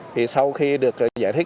thì sau khi được giải thích